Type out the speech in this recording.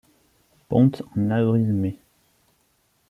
Ponte en avril-mai.